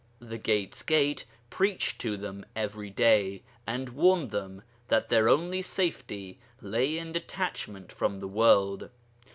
The 'Gate's Gate' preached to them every day, and warned them that their only safety lay in detachment from the world.